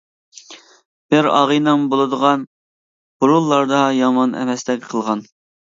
بىر ئاغىنەم بولىدىغان بۇرۇنلاردا يامان ئەمەستەك قىلغان.